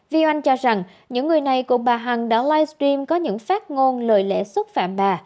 vi oanh cho rằng những người này cùng bà hằng đã livestream có những phát ngôn lời lẽ xúc phạm bà